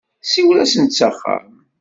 Siwel-asen-d s axxam.